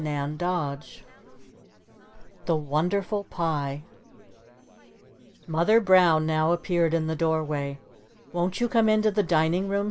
CHAPTER VIII THE WONDERFUL PIE Mother Brown now appeared in the doorway. "Won't you come into the dining room?"